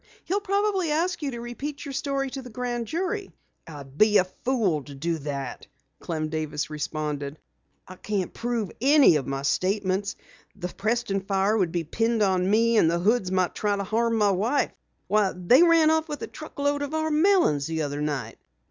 He'll probably ask you to repeat your story to the Grand Jury." "I'd be a fool to do that," Clem Davis responded. "I can't prove any of my statements. The Preston fire would be pinned on me, and the Hoods might try to harm my wife. Why, they ran off with a truck load of our melons the other night."